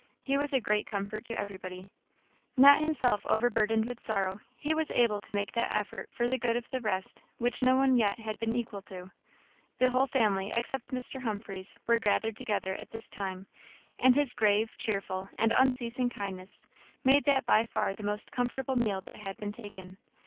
He was a great comfort to everybody. Not himself overburdened with sorrow, he was able to make that effort for the good of the rest which no one yet had been equal to. The whole family, except Mr. Humphreys, were gathered together at this time; and his grave, cheerful, and unceasing kindness, made that by far the most comfortable meal that had been taken.